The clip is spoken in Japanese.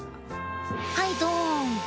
はいどん。